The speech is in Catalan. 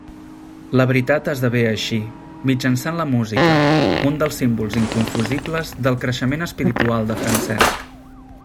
La veritat esdevé així, mitjançant la música, un dels símbols inconfusibles del creixement espiritual de Francesc.